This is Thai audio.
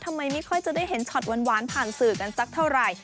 ไม่ค่อยจะได้เห็นช็อตหวานผ่านสื่อกันสักเท่าไหร่